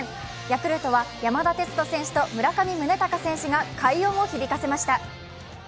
ヤクルトは山田哲人選手と村上宗隆選手が快音を響かせました。